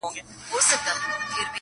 • څه موده پس د قاضي معاش دوه چند سو..